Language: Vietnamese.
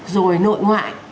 rồi nội ngoại